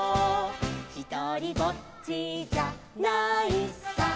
「ひとりぼっちじゃないさ」